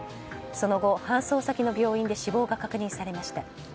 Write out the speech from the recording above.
その後、搬送先の病院で死亡が確認されました。